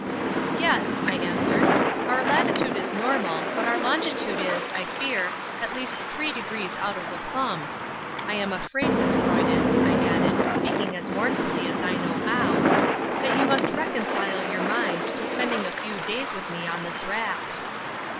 "Yes," I answered. "Our latitude is normal, but our longitude is, I fear, at least three degrees out of the plumb. I am afraid, Miss Croyden," I added, speaking as mournfully as I knew how, "that you must reconcile your mind to spending a few days with me on this raft."